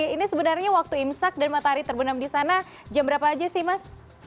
ini sebenarnya waktu imsak dan matahari terbenam di sana jam berapa aja sih mas